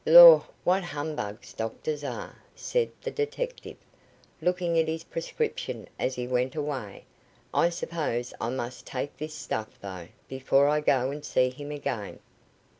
"Lor', what humbugs doctors are," said the detective, looking at his prescription, as he went away. "I suppose I must take this stuff, though, before I go and see him again."